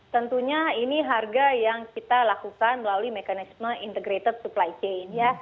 tentunya ini harga yang kita lakukan melalui mekanisme integrated supply chain